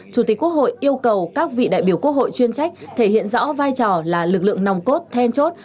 chủ tịch quốc hội yêu cầu các vị đại biểu quốc hội chuyên trách thể hiện rõ vai trò là lực lượng nòng cốt then chốt